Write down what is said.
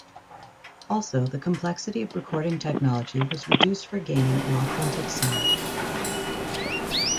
Also the complexity of recording technology was reduced for gaining an authentic sound.